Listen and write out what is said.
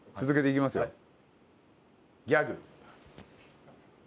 続けていきますよ。